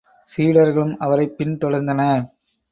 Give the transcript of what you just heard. சீடர்களும் அவரைப் பின் தொடர்ந்தனர்.